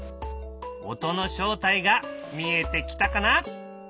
音の正体が見えてきたかな？